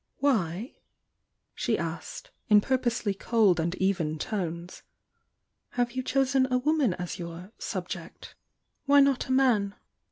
"Why," she asked, in purposely cold and even tones — "have you chosen a "woman as your 'sub ject'? Why not a man?"